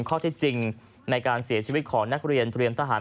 ข้อเท็จจริงในการเสียชีวิตของนักเรียนเตรียมทหาร